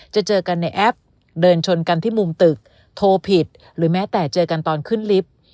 เจอกันในแอปเดินชนกันที่มุมตึกโทรผิดหรือแม้แต่เจอกันตอนขึ้นลิฟต์